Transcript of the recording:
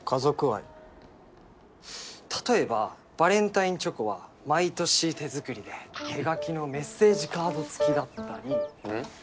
例えばバレンタインチョコは毎年手作りで手書きのメッセージカード付きだったりん？